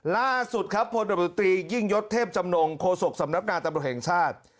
ล่าสุดครับพลตำรวจตรียิ่งยศเทพจำนงโฆษกสำนักงานตำรวจแห่งชาติ